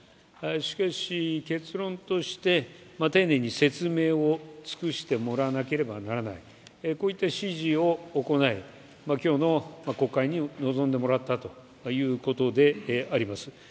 しかし、結論として丁寧に説明を尽くしてもらわなければならない、こういった指示を行い、今日の国会に臨んでもらったということであります。